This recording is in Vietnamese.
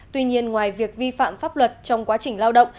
tuy nhiên ngoài việc vi phạm pháp luật trong quá trình lao động